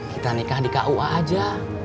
kita nikah di kua aja